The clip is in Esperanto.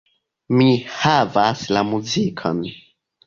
Mi havas la muzikon.